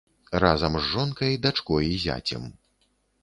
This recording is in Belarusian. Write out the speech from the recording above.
Разам з жонкай, дачкой і зяцем.